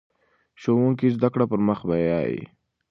ښوونکی زده کړه پر مخ بیايي.